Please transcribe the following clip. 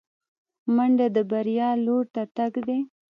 منډه د بریا لور ته تګ دی